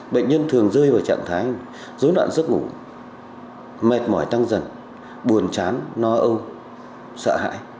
bệnh nhân thường rơi vào trạng thái dối loạn giấc ngủ mệt mỏi tăng dần buồn chán no âu sợ hãi